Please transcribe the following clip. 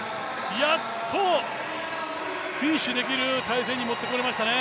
やっとフィニッシュできる体勢に持ってこれましたね。